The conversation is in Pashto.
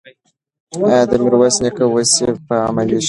ایا د میرویس نیکه وصیت به عملي شي؟